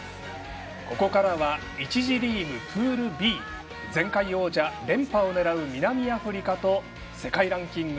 ここからは１次リーグ、プールＢ前回王者連覇を狙う南アフリカと世界ランキング